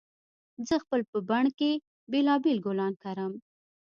زه خپل په بڼ کې بېلابېل ګلان کرم